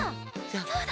そうだ！